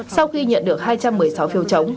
sau khi nhận được hai trăm một mươi sáu phiếu chống